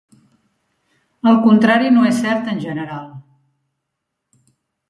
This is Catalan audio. El contrari no és cert en general.